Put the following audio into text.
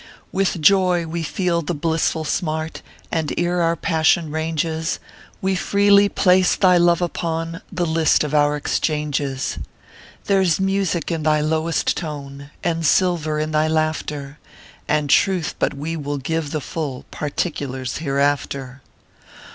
With joy we feel the blissful smart, And ere our passion ranges, We freely place thy love upon The list of our exchanges. There s music in thy lowest tone, And silver in thy laughter; And truth but we will give the full Particulars hereafter.